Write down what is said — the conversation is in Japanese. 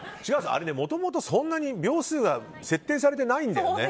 あれもともと、そんなに秒数が設定されてないんだよね。